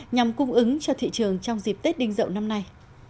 nhằm cung ứng cho thị trường trong dịp tết đinh dậu năm nay